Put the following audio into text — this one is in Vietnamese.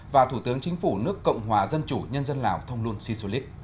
và thủ tướng chính phủ nước cộng hòa dân chủ nhân dân lào thông luân si su lít